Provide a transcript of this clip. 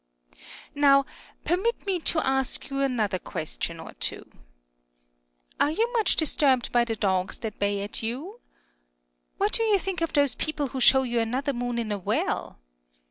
Now, permit me to ask you another question or two. Are you much disturbed by the dogs that bay at you? What do you think of those people who show you another moon in a well